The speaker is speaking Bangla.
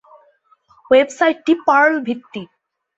ওয়েবসাইটটি পার্ল-ভিত্তিক।